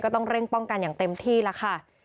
ต้องเร่งป้องกันอย่างเต็มที่แล้วค่ะ